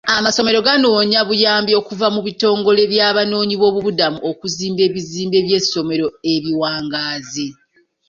Amasomero ganoonya buyambi okuva mu bitongole by'Abanoonyiboobubudamu okuzimba ebizimbe by'essomero ebiwangaazi.